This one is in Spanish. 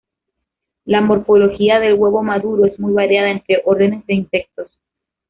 La morfología del huevo maduro es muy variada entre órdenes de insectos.